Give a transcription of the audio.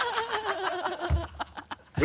ハハハ